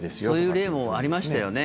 そういう例もありましたよね。